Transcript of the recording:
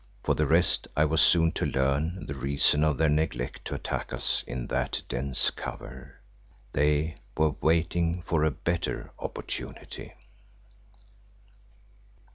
For the rest I was soon to learn the reason of their neglect to attack us in that dense cover. They were waiting for a better opportunity!